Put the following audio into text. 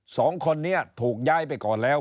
สองคนนี้ถูกย้ายไปก่อนแล้ว